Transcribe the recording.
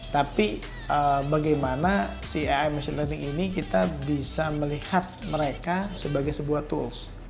tapi bagaimana ciach learning ini kita bisa melihat mereka sebagai sebuah tools